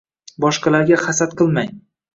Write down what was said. Boshqalarga hasad qilmang.